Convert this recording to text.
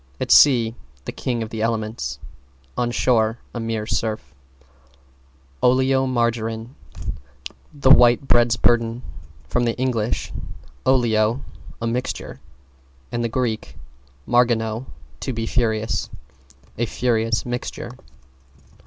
At sea, the king of the elements; on shore, a mere surf. =OLEOMARGARINE= The White Bread's Burden. From Eng. olio, a mixture, and Grk. margino, to be furious. A furious mixture.